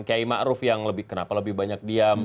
kiai ma'ruf yang lebih kenapa lebih banyak diam